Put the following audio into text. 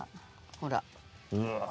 ほら。